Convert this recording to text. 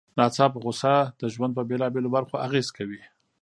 ناڅاپه غوسه د ژوند په بېلابېلو برخو اغېز کوي.